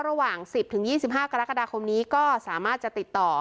ระหว่างสิบถึงยี่สิบห้ากรกฎาคมนี้ก็สามารถจะติดต่อ